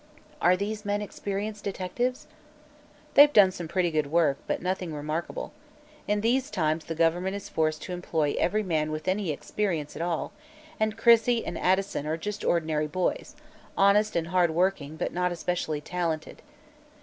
"Are these men experienced detectives?" "They've done some pretty good work, but nothing remarkable. In these times the government is forced to employ every man with any experience at all, and Crissey and Addison are just ordinary boys, honest and hard working, but not especially talented.